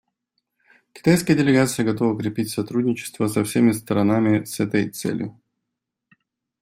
Китайская делегация готова крепить сотрудничество со всеми сторонами с этой целью.